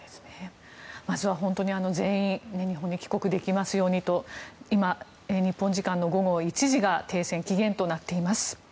まずは本当に全員日本に帰国できますようにと日本時間の午後１時が停戦期限となっています。